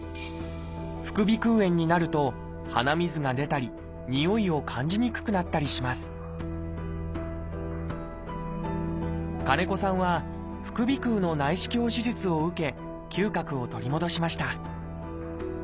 副鼻腔炎になると鼻水が出たりにおいを感じにくくなったりします金子さんは副鼻腔の内視鏡手術を受け嗅覚を取り戻しました